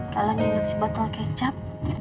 kalah ingat si botol kecap